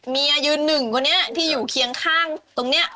เมียยืนหนึ่งคนนี้ที่อยู่เคียงข้างตรงนี้